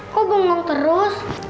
kok bongong terus